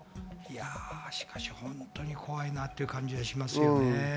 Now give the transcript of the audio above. しかし本当に怖いなという感じがしますよね。